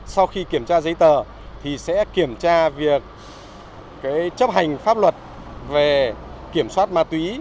sau khi kiểm tra giấy tờ thì sẽ kiểm tra việc chấp hành pháp luật về kiểm soát ma túy